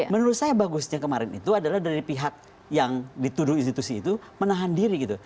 menurut saya bagusnya kemarin itu adalah dari pihak yang dituduh institusi itu menahan diri gitu